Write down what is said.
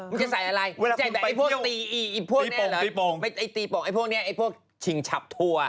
มันจะใส่อะไรมันจะตีปองไอ้ปคนชิงชาปถัว